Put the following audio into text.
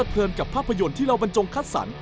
เพลินกับภาพยนตร์ที่เราบรรจงคัดสรร